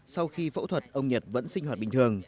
sau khi phẫu thuật ông nhật vẫn sinh hoạt bình thường